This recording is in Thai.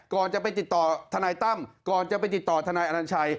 ก่อนจะไปติดต่อทนายตั้มก่อนจะไปติดต่อทนายอนัญชัย